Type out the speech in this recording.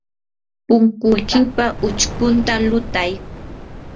punkuykipa uchkunta lutay.